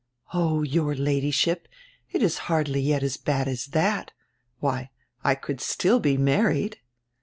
"Oh, your Ladyship, it is hardly yet as bad as that Why, I could still be married."